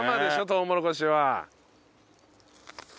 とうもろこしは。